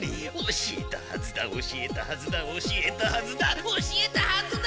教えたはずだ教えたはずだ教えたはずだ教えたはずだ！